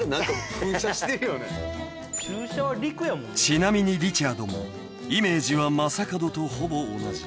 ［ちなみにリチャードもイメージは正門とほぼ同じ］